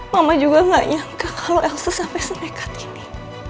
mama juga gak nyangka kalau elsa sampai senekat ini